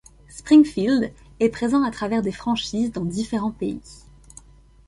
Springfield est présent à travers des franchises dans différents pays.